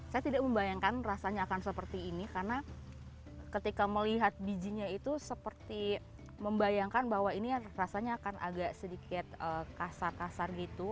saya tidak membayangkan rasanya akan seperti ini karena ketika melihat bijinya itu seperti membayangkan bahwa ini rasanya akan agak sedikit kasar kasar gitu